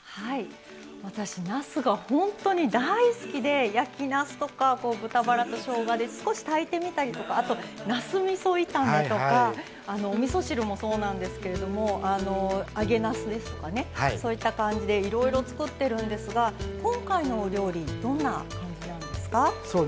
私、なすが本当に大好きで焼きなすとか豚ばらと、しょうがで少し炊いてみたりとかなすみそ炒めとかおみそ汁とかもそうなんですけど揚げなすですとかそういった感じでいろいろ作ってるんですがどんな感じなんですか？